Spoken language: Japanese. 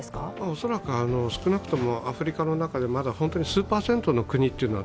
恐らく少なくともアフリカの中で本当に数％の国というのは